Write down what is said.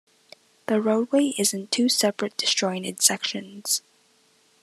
The roadway is in two separate disjointed sections.